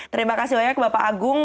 terima kasih banyak bapak agung